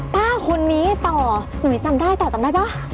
ป้าคนนี้ต่อหุยจำได้ต่อจำได้ป่ะ